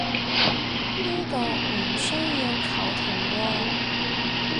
呢度唔需要球僮喎